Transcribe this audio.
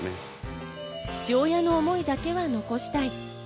父親の思いだけは残したい。